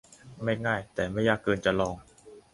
ไม่ง่าย แต่ไม่ยากเกินจะลอง !